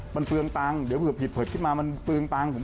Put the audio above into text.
มันเฟืองตังค์เดี๋ยวถ้าผิดเผิดขึ้นมามันเฟืองตังค์